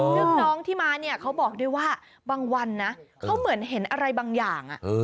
ซึ่งน้องที่มาเนี่ยเขาบอกด้วยว่าบางวันนะเขาเหมือนเห็นอะไรบางอย่าง